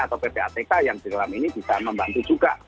atau ppatk yang di dalam ini bisa membantu juga